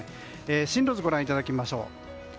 進路図をご覧いただきましょう。